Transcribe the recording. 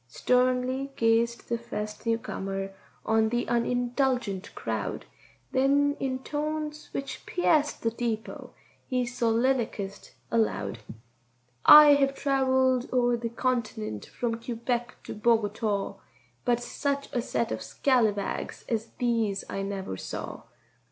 Sternly gazed the first newcomer on the unindulgent crowd, Then in tones which pierced the deepô he solilicussed aloud:— "I hev trevelled o'er this cont'nent from Quebec to Bogotáw, But setch a set of scallawags as these I never saw.